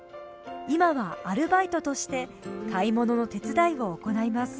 今はアルバイトとして買い物の手伝いを行います。